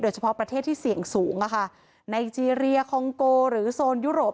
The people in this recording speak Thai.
เฉพาะประเทศที่เสี่ยงสูงไนเจรียคองโกหรือโซนยุโรป